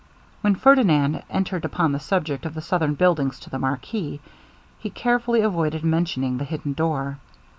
When Ferdinand entered upon the subject of the southern buildings to the marquis, he carefully avoided mentioning the hidden door.